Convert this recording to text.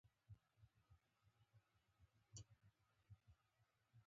کمزوري نومځري په خپلواکه ډول نه کاریږي.